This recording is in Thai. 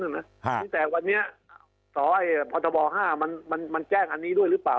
อย่างนั้นนะแต่วันเนี้ยสอบพอร์ตบ๕มันแจ้งอันนี้ด้วยหรือเปล่า